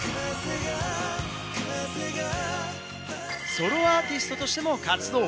ソロアーティストとしても活動。